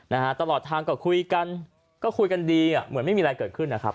นะฮะตลอดทางก็คุยกันก็คุยกันดีอ่ะเหมือนไม่มีอะไรเกิดขึ้นนะครับ